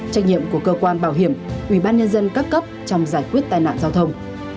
trách nhiệm của cơ quan bảo hiểm ủy ban nhân dân các cấp trong giải quyết tai nạn giao thông